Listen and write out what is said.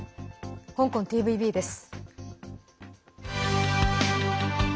香港ＴＶＢです。